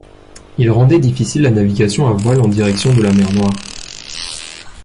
Il rendait difficile la navigation à voile en direction de la mer Noire.